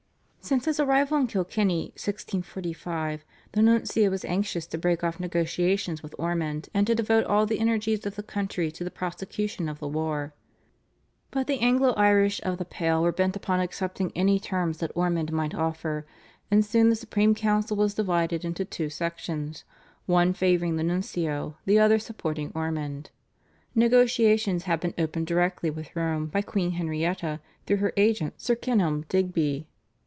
Since his arrival in Kilkenny (1645) the nuncio was anxious to break off negotiations with Ormond, and to devote all the energies of the country to the prosecution of the war. But the Anglo Irish of the Pale were bent upon accepting any terms that Ormond might offer; and soon the Supreme Council was divided into two sections, one favouring the nuncio, the other supporting Ormond. Negotiations had been opened directly with Rome by Queen Henrietta through her agent Sir Kenelm Digby.